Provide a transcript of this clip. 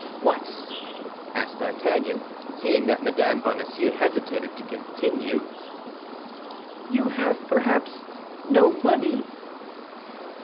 "What?" asked D'Artagnan, seeing that Mme. Bonacieux hesitated to continue. "You have, perhaps, no money?"